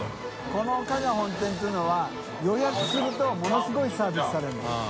この「加賀本店」っていうのは予約するとものすごいサービスされるの。